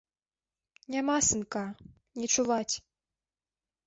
Няма сынка, не чуваць.